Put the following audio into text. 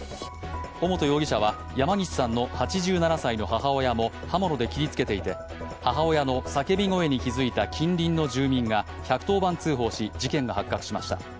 尾本容疑者は山岸さんの８７歳の母親も刃物で切りつけていて母親の叫び声に気づいた近隣の住民が１１０番通報し、事件が発覚しました。